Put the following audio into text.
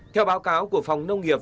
theo báo cáo của phòng nông nghiệp